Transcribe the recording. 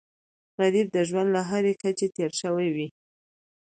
غریب د ژوند له هرې کچې تېر شوی وي